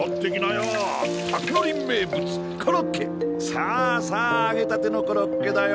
さあさあ揚げたてのコロッケだよ！